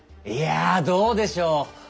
いやあどうでしょう。